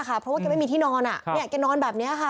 เพราะว่าแกไม่มีที่นอนแกนอนแบบนี้ค่ะ